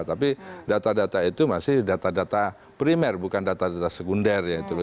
tapi data data itu masih data data primer bukan data data sekunder ya